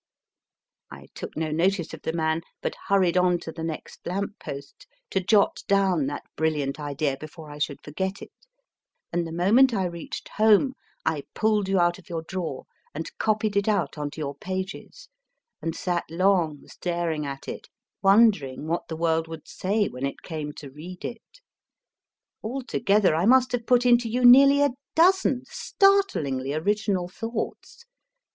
I took no notice of the THA T BRILLIANT IDEA man, but hurried on to the next lamp post to jot down that brilliant idea before I should forget it ; and the moment I reached home I pulled you out of your drawer and copied it out on to your pages, and sat long staring at it, wondering what the world would say when it came to read it. Altogether I must have put into you nearly a dozen startlingly original thoughts.